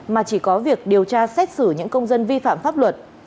mà chỉ có việc điều tra xét xử những công dân vi phạm pháp luật